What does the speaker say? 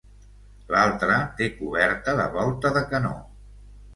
L'altre té coberta de volta de canó.